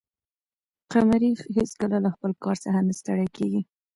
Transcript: قمري هیڅکله له خپل کار څخه نه ستړې کېږي.